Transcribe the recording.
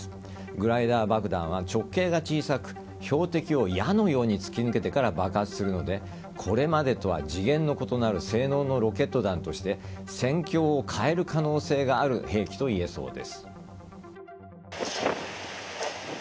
グライダー爆弾は直径が小さく標的を矢のように突き抜けてから爆発するのでこれまでとは次元の異なる性能のロケット弾として戦況を変える可能性がある兵器といえそうです。